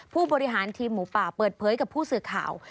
ผู้บริหารทีมหมูป่าเปิดเผยกับผู้สื่อข่าว